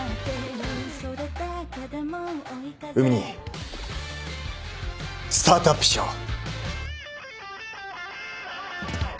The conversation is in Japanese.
海兄スタートアップしよう。